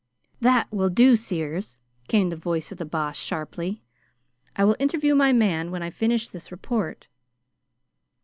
"That will do, Sears," came the voice of the Boss sharply. "I will interview my man when I finish this report."